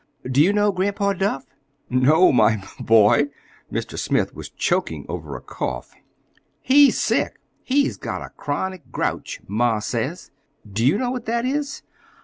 Do you know Grandpa Duff?" "No, my b boy." Mr. Smith was choking over a cough. "He's sick. He's got a chronic grouch, ma says. Do you know what that is?"